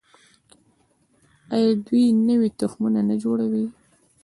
آیا دوی نوي تخمونه نه جوړوي؟